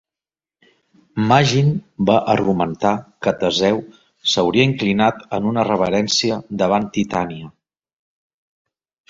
Maginn va argumentar que Teseu s'hauria inclinat en una reverència davant Titania.